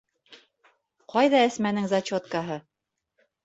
Ҡайҙа Әсмәнең зачеткаһы?